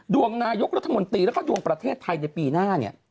ดวงนายกรัฐมนตรีแล้วก็ดวงประเทศไทยในปีหน้าเนี่ย